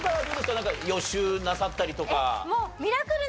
なんか予習なさったりとか。